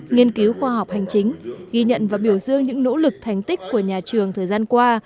nghiên cứu khoa học hành chính ghi nhận và biểu dương những nỗ lực thành tích của nhà trường thời gian qua